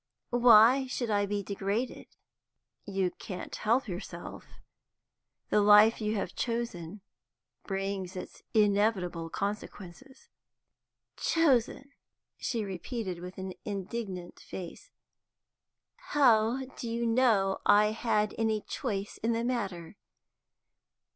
Why should I be degraded?" "You can't help yourself. The life you have chosen brings its inevitable consequences." "Chosen!" she repeated, with an indignant face. "How do you know I had any choice in the matter?